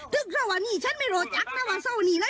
ตึกเศร้าวันนี้ฉันไม่โหลจักนะว่าเศร้าวันนี้น่ะ